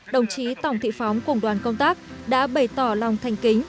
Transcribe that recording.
đồng chí tổng thị phóng cùng đoàn công tác đã bày tỏ lòng thanh kính